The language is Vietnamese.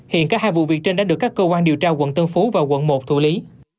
hiện cả hai vụ việc trên đã được các cơ quan điều tra quận tân phú và quận một thủ lý